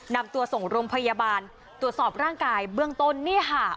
นำตัวส่งโรงพยาบาลตรวจสอบร่างกายเบื้องต้นนี่ค่ะ